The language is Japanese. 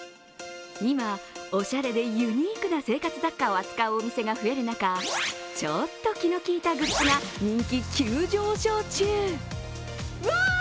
今、おしゃれでユニークな生活雑貨を扱う店が増える中ちょっと気の利いたグッズが人気急上昇中。